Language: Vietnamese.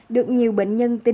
được nhiều bệnh nhân tìm ra